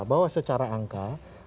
bahwa secara angka